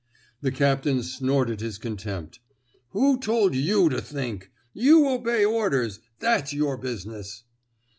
'' The captain snorted his contempt. Who told you to think! You obey orders — that's your business."